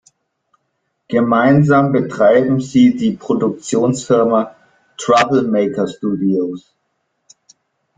Gemeinsam betreiben sie die Produktionsfirma Troublemaker Studios.